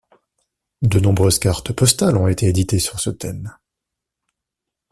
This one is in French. De nombreuses cartes postales ont été éditées sur ce thème.